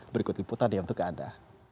berikut liputan yang untuk anda